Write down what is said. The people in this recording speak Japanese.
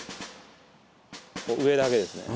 上だけですね